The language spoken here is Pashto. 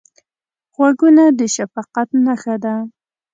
غوږونه د شفقت نښه ده